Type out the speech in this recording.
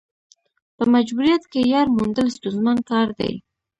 په مجبوریت کې یار موندل ستونزمن کار دی.